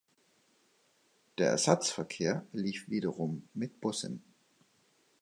Der Ersatzverkehr lief wiederum mit Bussen.